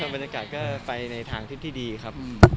บรรยากาศก็ไปในทางทิศที่ดีครับ